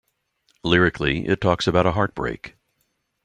Lyrically, it talks about a heartbreak.